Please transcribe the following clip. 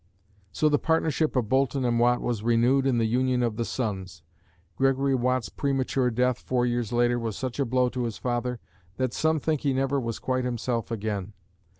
So the partnership of Boulton and Watt was renewed in the union of the sons. Gregory Watt's premature death four years later was such a blow to his father that some think he never was quite himself again.